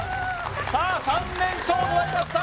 さあ３連勝となりました